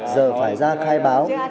giờ phải ra khai báo